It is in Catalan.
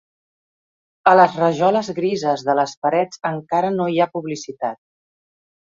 A les rajoles grises de les parets encara no hi ha publicitat.